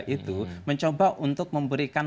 itu mencoba untuk memberikan